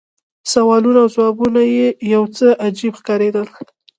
سوالونه او ځوابونه یې یو څه عجیب ښکارېدل.